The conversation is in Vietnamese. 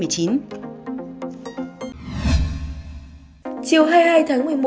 chiều hai mươi hai tháng năm